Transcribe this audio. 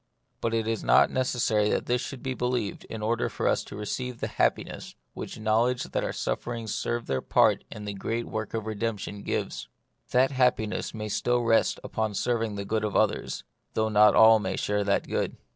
But it is not necessary that this should be believed in order for us to receive the happiness which the knowledge that our sufferings serve their part in the great work of redemption gives. That happiness may still rest upon their serving the good of others, though not all may share that good.